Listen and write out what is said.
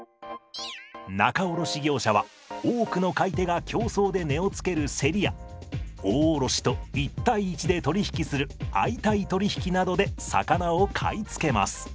仲卸業者は多くの買い手が競争で値をつけるセリや大卸と１対１で取り引きする相対取引などで魚を買い付けます。